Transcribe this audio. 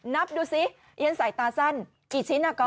นับดูซิเรียนใส่ตาสั้นกี่ชิ้นอ่ะก๊